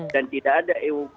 dan tidak ada eu